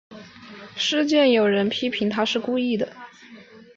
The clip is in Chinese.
事件有人批评她是故意。